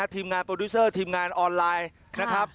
ทีมงานโปรดิวเซอร์ทีมงานออนไลน์นะครับ